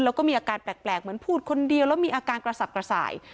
แล้วก็มีอาการแปลกเหมือนพูดคนเดียวแล้วมีอาการกระสับกระส่าย